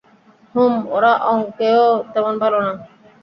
হুম, ওরা অংকেও তেমন ভালো না।